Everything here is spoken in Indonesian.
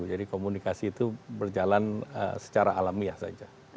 jadi komunikasi itu berjalan secara alamiah saja